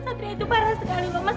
mas satria itu parah sekali mas